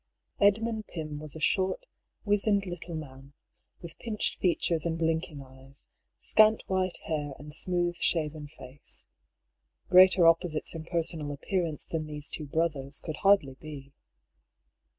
Edpiund Pym was a short, wizened little man, with pinched features and blinkiug eyes, scant white hair and smooth shaven face. Greater opposites in personal ap pearance than these two brothers could hardly be.